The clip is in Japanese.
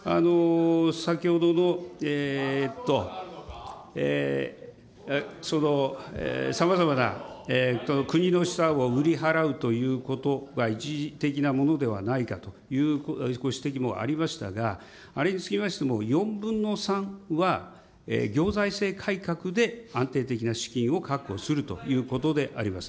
先ほどのそのさまざまな国の資産を売り払うということは一時的なものではないかというご指摘もありましたが、あれにつきましても、４分の３は、行財政改革で安定的な資金を確保するということであります。